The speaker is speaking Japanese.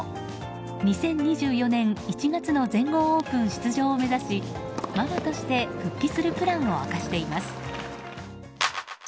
２０２４年１月の全豪オープン出場を目指しママとして復帰するプランを明かしています。